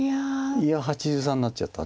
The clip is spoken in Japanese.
いや８３になっちゃった。